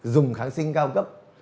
dùng kháng sinh cao cấp